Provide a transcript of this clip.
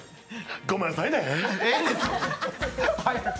ごめんなさいね。